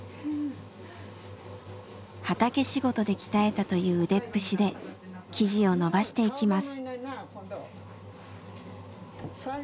畑仕事で鍛えたという腕っぷしで生地をのばしていきます。